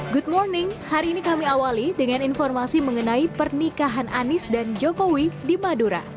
good morning hari ini kami awali dengan informasi mengenai pernikahan anies dan jokowi di madura